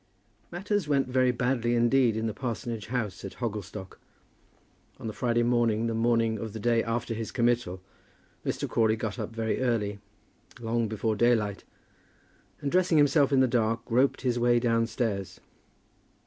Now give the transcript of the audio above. Matters went very badly indeed in the parsonage house at Hogglestock. On the Friday morning, the morning of the day after his committal, Mr. Crawley got up very early, long before the daylight, and dressing himself in the dark, groped his way downstairs.